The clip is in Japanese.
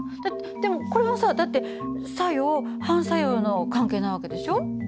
でもこれもさだって作用・反作用の関係な訳でしょ？